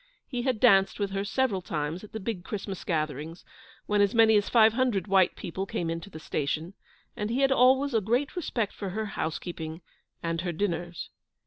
He had danced with her several times at the big Christmas gatherings, when as many as five hundred white people came into the station; and he had always a great respect for her housekeeping and her dinners.